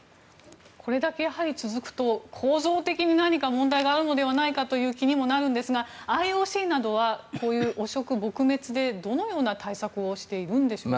これだけやはり続くと構造的に何か問題があるのではないかという気にもなるんですがＩＯＣなどはこういう汚職撲滅でどのような対策をしているのでしょうか。